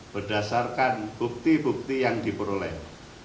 berdasarkan bukti bukti yang diperoleh